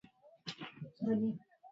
الله تعالی دې ساتندوی او مرستندوی شه